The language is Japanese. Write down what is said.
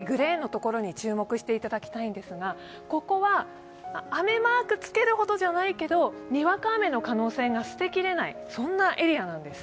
この黒っぽいグレーのところに注目してもらいたいんですがここは雨マークつけるほどじゃないけど、にわか雨の可能性が捨て切れない、そんなエリアなんです。